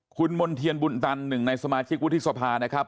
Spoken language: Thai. คุณหมลเทียนบุ่นตัน๑ในสมาชิกวุฒิษภานะครับ